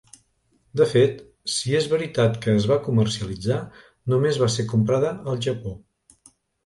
De fet, si és veritat que es va comercialitzar, només va ser comprada al Japó.